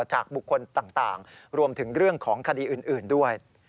จากบุคคลต่างรวมถึงเรื่องของคดีอื่นด้วย